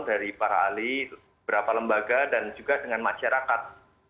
dari para ahli beberapa lembaga dan juga dengan masyarakat